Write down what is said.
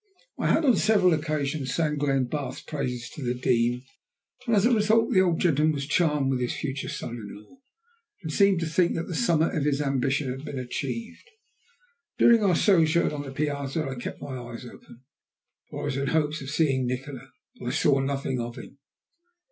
I had on several occasions sang Glenbarth's praises to the Dean, and as a result the old gentleman was charmed with his future son in law, and seemed to think that the summit of his ambition had been achieved. During our sojourn on the piazza I kept my eyes open, for I was in hopes of seeing Nikola, but I saw nothing of him.